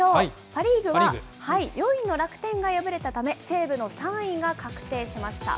パ・リーグは４位の楽天が敗れたため、西武の３位が確定しました。